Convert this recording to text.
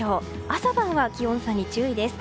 朝晩は、気温差に注意です。